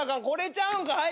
これちゃうんか。